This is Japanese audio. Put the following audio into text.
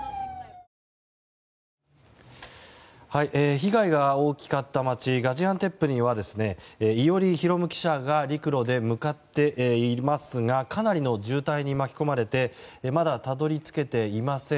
被害が大きかった街ガジアンテップには伊従啓記者が陸路で向かっていますがかなりの渋滞に巻き込まれてまだたどり着けていません。